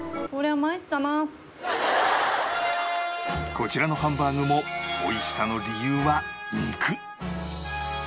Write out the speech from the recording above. こちらのハンバーグも美味しさの理由は肉